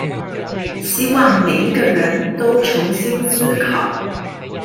希望每一個人都重新思考